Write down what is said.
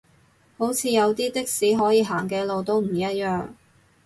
好似有啲的士可以行嘅路都唔一樣